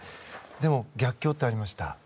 でも、逆境ってありました。